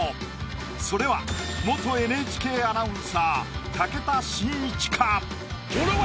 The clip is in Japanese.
それは元ＮＨＫアナウンサー武田真一か？